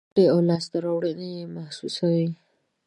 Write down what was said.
ګټې او لاسته راوړنې یې محسوسې وي.